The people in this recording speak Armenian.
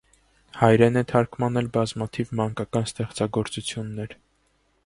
Հայերեն է թարգմանել բազմաթիվ մանկական ստեղծագործություններ։